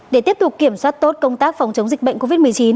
để tiếp tục kiểm soát tốt công tác phòng chống dịch bệnh covid một mươi chín